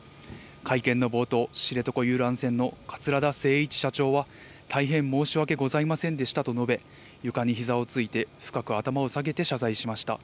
会見の冒頭、知床遊覧船の桂田精一社長は、大変申し訳ございませんでしたと述べ、床にひざをついて、深く頭を下げて謝罪しました。